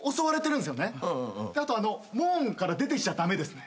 あと門から出てきちゃ駄目ですね。